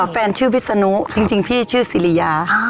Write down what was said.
แฟนชื่อวิศนุจริงพี่ชื่อสิริยา